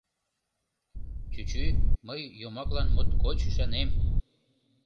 — Чӱчӱ, мый йомаклан моткоч ӱшанем.